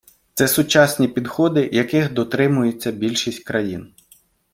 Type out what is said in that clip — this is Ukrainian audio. Це сучасні підходи, яких дотримується більшість країн.